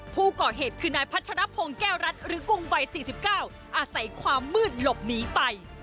ผู้ก่อเหตุคือนายพัชรพงศ์แก้วรัฐหรือกุ้งวัย๔๙อาศัยความมืดหลบหนีไป